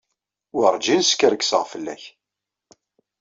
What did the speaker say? Werǧin skerkseɣ fell-ak.